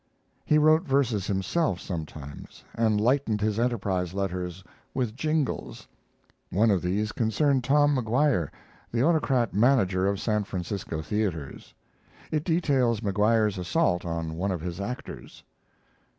He wrote verses himself sometimes, and lightened his Enterprise letters with jingles. One of these concerned Tom Maguire, the autocrat manager of San Francisco theaters. It details Maguire's assault on one of his actors.